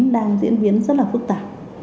đang diễn biến rất là phức tạp